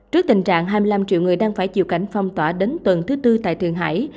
trước tình trạng hai mươi năm triệu người đang phải chịu cảnh phong tỏa đến tuần thứ tư tại tiền hải